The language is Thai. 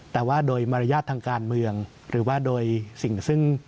แต่ว่าโดยมารยาททางการเมืองหรือว่าโดยสิ่งซึ่ง